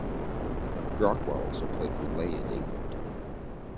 Brockwell also played for Leigh in England.